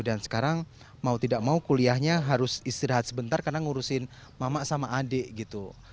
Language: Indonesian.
dan sekarang mau tidak mau kuliahnya harus istirahat sebentar karena ngurusin mama sama adik gitu